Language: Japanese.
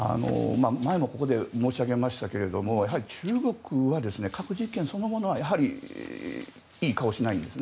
前もここで申し上げましたが中国は核実験そのものはいい顔をしないんです。